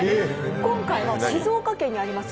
今回は静岡県にあります